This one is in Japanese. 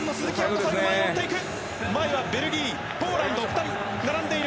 前は、ベルギー、ポーランド並んでいる。